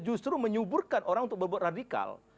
justru menyuburkan orang untuk berbuat radikal